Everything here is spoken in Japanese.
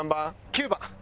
９番。